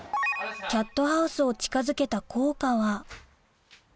キャットハウスを近づけた効果は？